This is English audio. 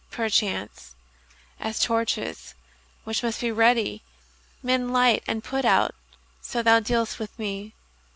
Perchance, as torches, which must ready be, Men light and put out, so thou dealst with me.